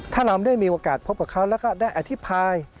ถ้าเราได้มีโอกาสพบกับเขาแล้วก็ได้อธิบาย